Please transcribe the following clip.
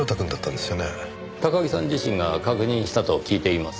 高木さん自身が確認したと聞いています。